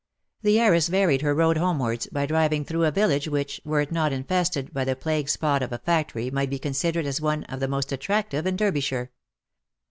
The heiress varied her road homewards, by driving through a village which, were it not infested by the plague spot of a factory, might be considered as one of the most attractive in Derbyshire.